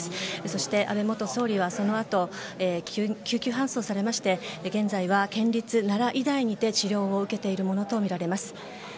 そして、安倍元総理はそのあと救急搬送されまして現在は県立奈良医大にて治療を受けているものとみられます。